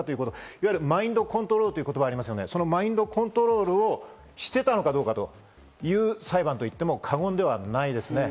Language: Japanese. マインドコントロールという言葉がありますね、そのマインドコントロールをしていたのかどうかという裁判と言っても過言ではないですね。